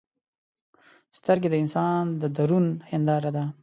سترګې د انسان د درون هنداره ده